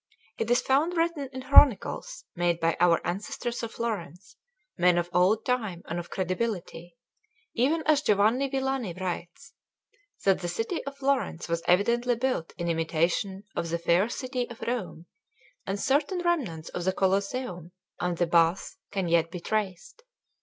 It is found written in chronicles made by our ancestors of Florence, men of old time and of credibility, even as Giovanni Villani writes, that the city of Florence was evidently built in imitation of the fair city of Rome; and certain remnants of the Colosseum and the Baths can yet be traced.